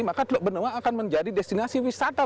maka benua akan menjadi destinasi wisata